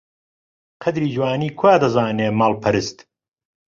قەدری جوانی کوا دەزانێ ماڵپەرست!